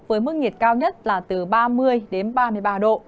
với mức nhiệt cao nhất là từ ba mươi đến ba mươi ba độ